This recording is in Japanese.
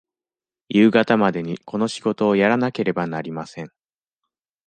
夕方までにこの仕事をやらなければなりません。